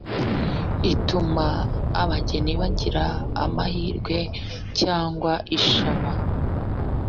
ituma abageni bagira amahirwe cyangwa ishaba